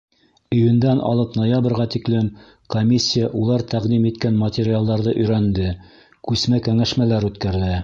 Июндән алып ноябргә тиклем комиссия улар тәҡдим иткән материалдарҙы өйрәнде, күсмә кәңәшмәләр үткәрҙе.